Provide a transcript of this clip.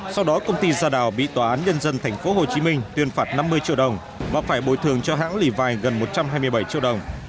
sau đó công ty gia đào bị tòa án nhân dân tp hcm tuyên phạt năm mươi triệu đồng và phải bồi thường cho hãng lì vài gần một trăm hai mươi bảy triệu đồng